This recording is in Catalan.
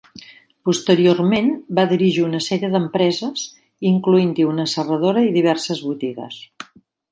Posteriorment va dirigir una sèrie d'empreses, incloent-hi una serradora i diverses botigues.